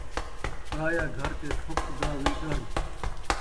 پرایا گھر تے تھُک دا وی ݙر